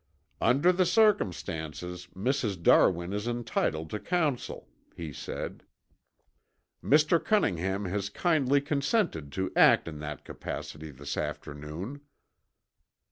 "Under the circumstances Mrs. Darwin is entitled to counsel," he said. "Mr. Cunningham has kindly consented to act in that capacity this afternoon."